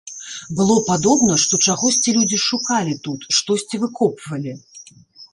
Было падобна, што чагосьці людзі шукалі тут, штосьці выкопвалі.